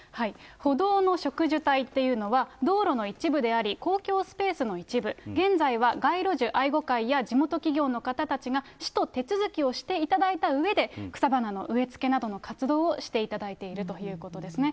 歩道の植樹帯っていうのは、道路の一部であり、公共スペースの一部、現在は街路樹愛護会や地元企業の方たちが市と手続きをしていただいたうえで、草花の植え付けなどの活動をしていただいているということですね。